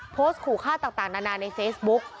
โพสต์ขู่ฆ่าต่างนานาในเฟซบุ๊ก